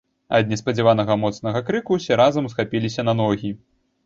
Ад неспадзяванага моцнага крыку ўсе разам усхапіліся на ногі.